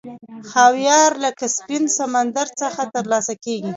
خاویار له کسپین سمندر څخه ترلاسه کیږي.